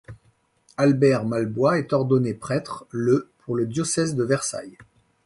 Albert Malbois est ordonné prêtre le pour le diocèse de Versailles.